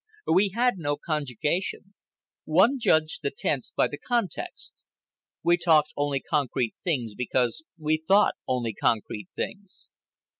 We had no conjugation. One judged the tense by the context. We talked only concrete things because we thought only concrete things.